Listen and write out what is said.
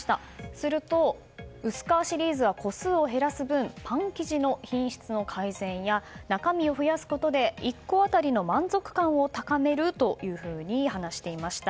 すると、薄皮シリーズは個数を減らす分パン生地の品質の改善や中身を増やすことで１個当たりの満足感を高めると話していました。